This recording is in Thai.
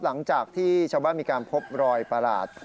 หลังจากที่ชาวบ้านมีการพบรอยประหลาด